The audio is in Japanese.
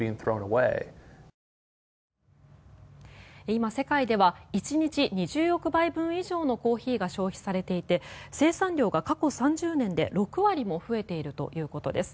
今、世界では１日２０億杯分以上のコーヒーが消費されていて生産量が過去３０年で６割も増えているということです。